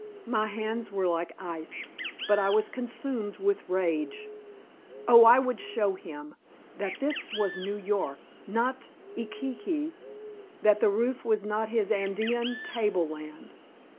My hands were like ice, but I was consumed with rage. Oh, I would show him that this was New York, not Iquique; that the roof was not his Andean tableland.